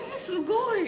すごい。